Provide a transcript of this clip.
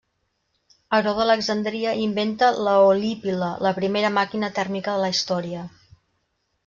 Heró d'Alexandria inventa l'eolípila, la primera màquina tèrmica de la història.